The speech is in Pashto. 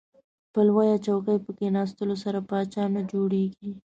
په لویه چوکۍ په کیناستلو سره پاچا نه جوړیږئ.